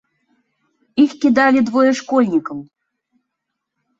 Іх кідалі двое школьнікаў.